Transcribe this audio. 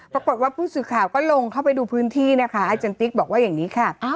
ปรากฏว่าผู้สื่อข่าวก็ลงเข้าไปดูพื้นที่นะคะอาจารย์ติ๊กบอกว่าอย่างนี้ค่ะ